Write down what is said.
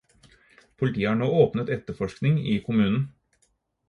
Politiet har nå åpnet etterforskning i kommunen.